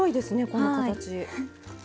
この形。